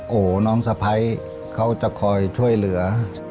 โอ้โหน้องสะพ้ายเขาจะคอยช่วยเหลือ